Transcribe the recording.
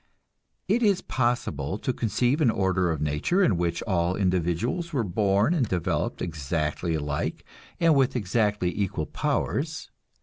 It is possible to conceive an order of nature in which all individuals were born and developed exactly alike and with exactly equal powers.